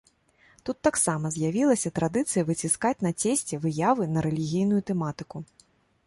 Тут таксама з'явілася традыцыя выціскаць на цесце выявы на рэлігійную тэматыку.